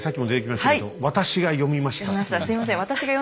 すみません。